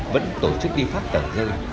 vẫn tổ chức đi phát tờ rơi